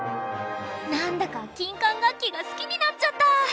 なんだか金管楽器が好きになっちゃった。